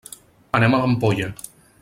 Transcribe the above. Anem a l'Ampolla.